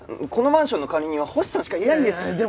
このマンションの管理人は星さんしかいないんです。